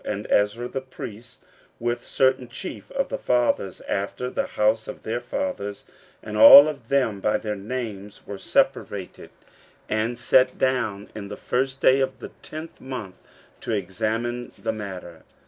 And Ezra the priest, with certain chief of the fathers, after the house of their fathers, and all of them by their names, were separated, and sat down in the first day of the tenth month to examine the matter.